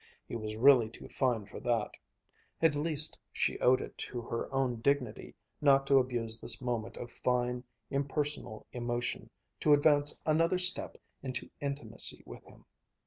He was really too fine for that. At least, she owed it to her own dignity not to abuse this moment of fine, impersonal emotion to advance another step into intimacy with him.